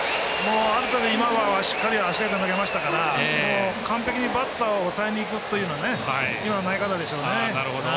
今は足を上げて投げましたから完璧にバッターを抑えにいくという今の投げ方でしょうね。